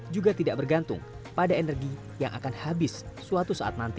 juga tidak bergantung pada energi yang akan habis suatu saat nanti